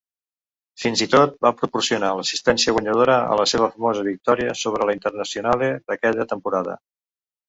Fins i tot va proporcionar l'assistència guanyadora en la seva famosa victòria sobre el Internazionale d'aquella temporada.